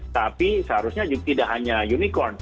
tapi seharusnya tidak hanya unicorn